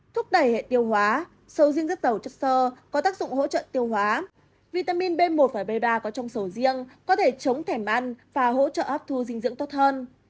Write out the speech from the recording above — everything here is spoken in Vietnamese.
thúc đẩy hệ tiêu hóa sầu riêng rất giàu chất sơ có tác dụng hỗ trợ tiêu hóa vitamin b một và b ba có trong sầu riêng có thể chống thèm ăn và hỗ trợ hấp thu dinh dưỡng tốt hơn